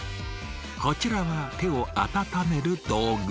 こちらは手を温める道具。